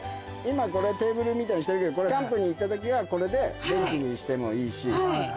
今テーブルみたいにしてるけどキャンプに行った時はこれでベンチにしてもいいし。